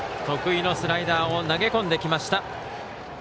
得意のスライダーを投げ込んできました。